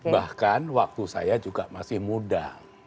bahkan waktu saya juga masih muda